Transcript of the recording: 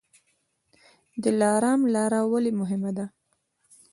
دلارام لاره ولې مهمه ده؟